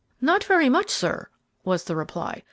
"Not very much, sir," was the reply.